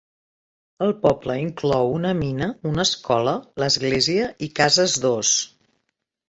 El poble inclou una mina, una escola, l'església i cases d'ós.